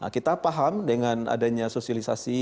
kita paham dengan adanya sosialisasi